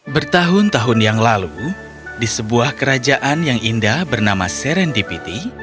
bertahun tahun yang lalu di sebuah kerajaan yang indah bernama serendipity